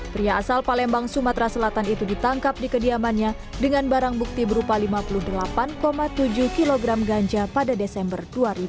pria asal palembang sumatera selatan itu ditangkap di kediamannya dengan barang bukti berupa lima puluh delapan tujuh kg ganja pada desember dua ribu dua puluh